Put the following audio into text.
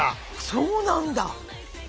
そうなんだ！